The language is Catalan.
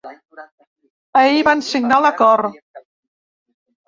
Ahir van signar l’acord.